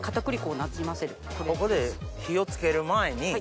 ここで火をつける前に。